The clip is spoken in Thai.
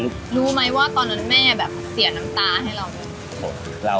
รู้ไหมว่าตอนนั้นแม่แบบเสียน้ำตาให้เราไหม